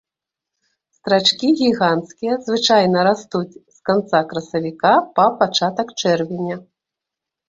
Страчкі гіганцкія звычайна растуць з канца красавіка па пачатак чэрвеня.